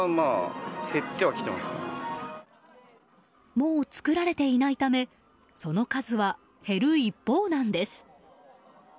もう作られていないためその数は減る一方なんです。